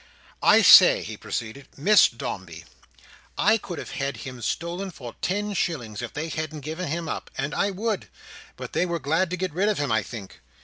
"I say," he proceeded, "Miss Dombey! I could have had him stolen for ten shillings, if they hadn't given him up: and I would: but they were glad to get rid of him, I think.